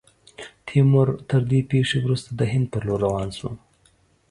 تیمور، تر دې پیښو وروسته، د هند پر لور روان سو.